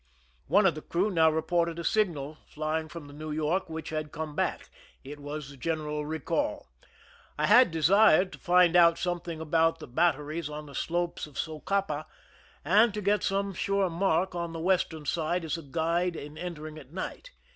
One of the crew now reported a signal flying from the New York, which had come back ; it was the general recaJl. I had desired to find out something about the batteries on the slopes of Socapa, and to get some suie mark on the western side as a guide in entering a,t night.